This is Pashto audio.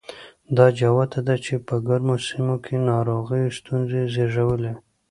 دا جوته ده چې په ګرمو سیمو کې ناروغیو ستونزې زېږولې.